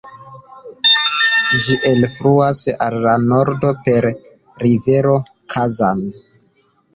Ĝi elfluas al la nordo per rivero Kazan.